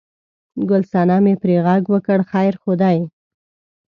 ګل صنمې پرې غږ وکړ: خیر خو دی؟